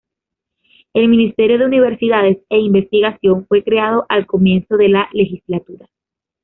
El Ministerio de Universidades e Investigación fue creado al comienzo de la legislatura.